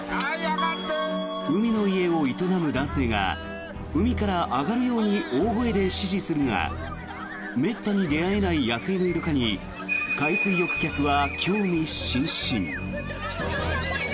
海の家を営む男性が海から上がるように大声で指示するがめったに出会えない野生のイルカに海水浴客は興味津々。